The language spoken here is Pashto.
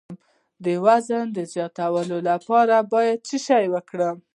د وزن د زیاتولو لپاره باید څه شی وکاروم؟